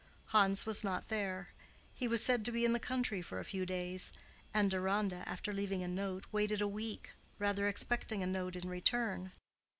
Hans was not there; he was said to be in the country for a few days; and Deronda, after leaving a note, waited a week, rather expecting a note in return.